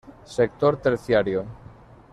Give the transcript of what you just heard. Sector Terciario.